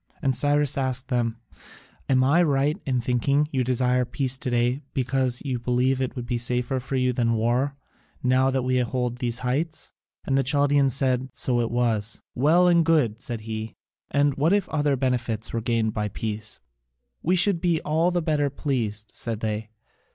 And Cyrus asked them: "Am I right in thinking that you desire peace to day because you believe it will be safer for you than war, now that we hold these heights?" And the Chaldaeans said that so it was. "Well and good," said he. "And what if other benefits were gained by peace?" "We should be all the better pleased," said they.